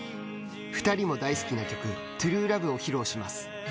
２人も大好きな曲「ＴＲＵＥＬＯＶＥ」を披露します。